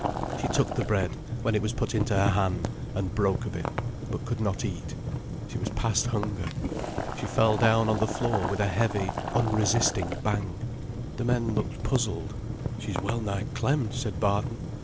She took the bread, when it was put into her hand, and broke a bit, but could not eat. She was past hunger. She fell down on the floor with a heavy unresisting bang. The men looked puzzled. "She's well nigh clemmed," said Barton.